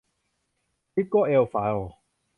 ทิปโก้แอสฟัลท์